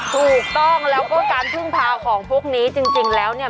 ถูกต้องแล้วก็การพึ่งพาของพวกนี้จริงแล้วเนี่ย